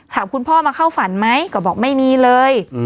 คุณพ่อมาเข้าฝันไหมก็บอกไม่มีเลย